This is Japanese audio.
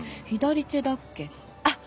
左手だっけ？